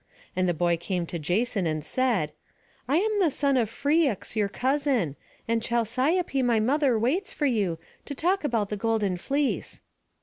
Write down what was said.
And the boy came to Jason, and said: "I am the son of Phrixus, your cousin; and Chalciope my mother waits for you, to talk about the golden fleece."